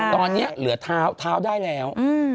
ตอนนี้เหลือเท้าเท้าได้แล้ว